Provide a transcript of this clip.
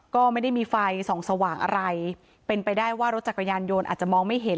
ก็ไม่ได้มีไฟส่องสว่างอะไรเป็นไปได้ว่ารถจักรยานยนต์อาจจะมองไม่เห็น